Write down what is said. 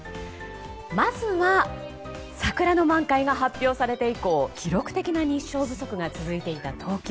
まずは桜の満開が発表されて以降記録的な日照不足が続いていた東京。